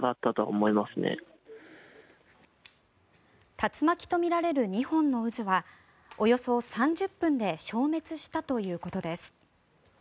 竜巻とみられる２本の渦はおよそ３０分で消滅したということです。